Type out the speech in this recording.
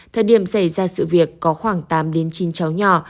thời điểm xảy ra sự việc có khoảng tám đến chín cháu nhỏ